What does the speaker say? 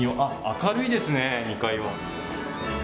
明るいですね、２階は。